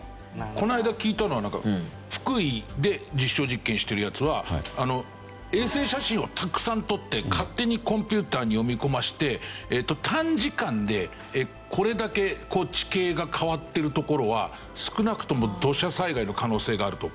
この間聞いたのは福井で実証実験してるやつは衛星写真をたくさん撮って勝手にコンピューターに読み込ませて短時間でこれだけ地形が変わってる所は少なくとも土砂災害の可能性があるとか。